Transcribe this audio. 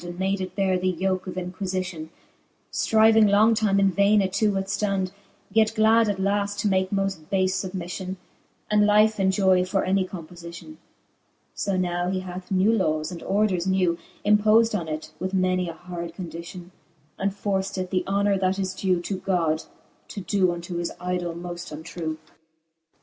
And made it beare the yoke of inquiiitlon, Stryving long time in vaine it to withftond ; Yet glad at laft to make moft bafe fubmiflion, And life enjoy for any compofition. So now he hath new lawes and orders new Impofd on it, with many a hard condition, And forced it, the honour, that is dew To God, to doe unto his idole moft untrew, XXVIII.